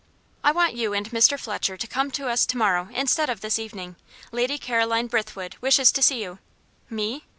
"I want you and Mr. Fletcher to come to us to morrow instead of this evening. Lady Caroline Brithwood wishes to see you." "Me?"